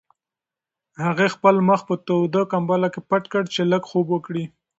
هغې خپل مخ په توده کمپله کې پټ کړ چې لږ خوب وکړي.